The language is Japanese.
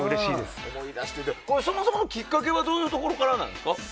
そもそものきっかけはどういうところからですか？